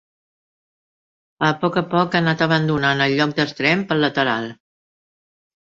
A poc a poc ha anat abandonant el lloc d'extrem pel lateral.